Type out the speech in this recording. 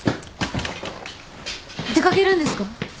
出掛けるんですか？